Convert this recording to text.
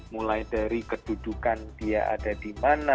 mulai dari kedudukan dia ada di mana